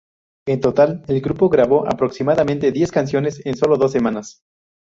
En total, el grupo grabó aproximadamente diez canciones en solo dos semanas.